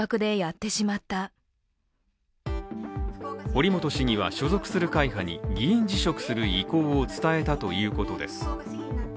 堀本市議は、所属する会派に議員辞職する意向を伝えたということです。